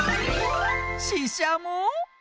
ししゃも？